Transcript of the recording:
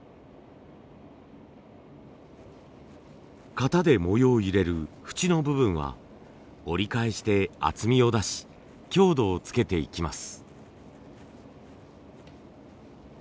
型で模様を入れる縁の部分は折り返して厚みを出し強度をつけていきます。